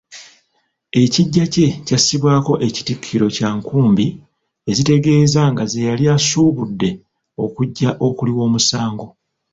Ekiggya kye kyassibwako ekitikkiro kya nkumbi ezitegeeza nga ze yali asuubudde okujja okuliwa omusango.